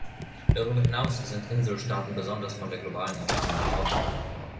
Darüber hinaus sind Inselstaaten besonders von der globalen Erwärmung betroffen.